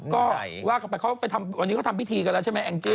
ก็ว่ากันไปเขาไปทำวันนี้เขาทำพิธีกันแล้วใช่ไหมแองจี้